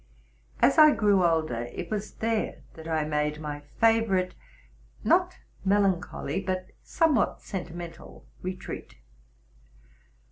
As I grew older, it was there that I made my 12 TRUTH AND FICTION favorite, not melancholy, but somewhat sentimental, retreat.